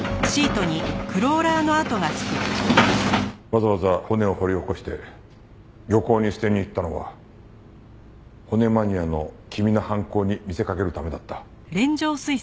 わざわざ骨を掘り起こして漁港に捨てに行ったのは骨マニアの君の犯行に見せかけるためだった。